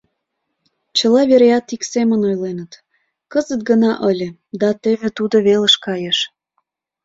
Чыла вереат ик семын ойленыт: «Кызыт гына ыле, да тӧвӧ тудо велыш кайыш».